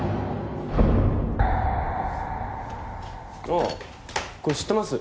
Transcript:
ああこれ知ってます。